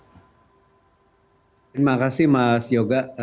terima kasih mas yoga